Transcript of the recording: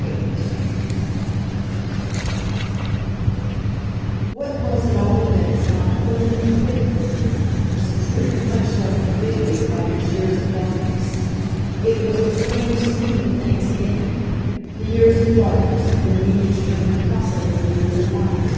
VIII What was at all events not permanently hidden from him was a truth much less invidious about his years of darkness. It was the strange scheme of things again: the years of darkness had been needed to render possible the years of light.